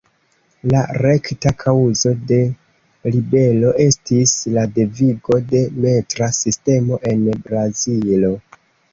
La rekta kaŭzo de ribelo estis la devigo de metra sistemo en Brazilo.